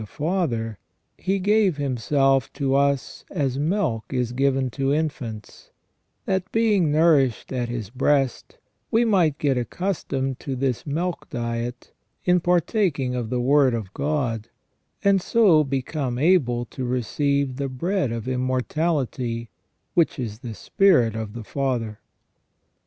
271 the Father, He gave Himself to us as milk is given to infants, that, being nourished at His breast, we might get accustomed to this milk diet in partaking of the Word of God, and so become able to receive the bread of immortality, which is the Spirit of the Father.